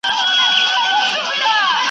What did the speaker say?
تشول چي مي خُمونه هغه نه یم .